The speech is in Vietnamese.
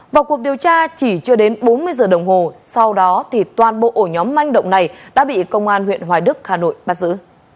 vào cuộc điều tra chỉ chưa đến bốn mươi giờ đồng hồ sau đó toàn bộ ổ nhóm manh động này đã bị công an huyện hoài đức hà nội bắt giữ